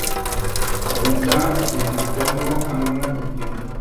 Habita en el Congo, Angola y Kenia.